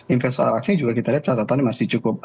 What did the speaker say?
investor aksi juga kita lihat catatannya masih cukup